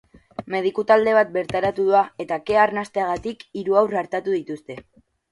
Mediku talde bat bertaratu da, eta kea arnasteagatik hiru haur artatu dituzte.